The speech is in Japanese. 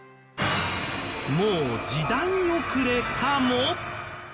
もう時代遅れかも！？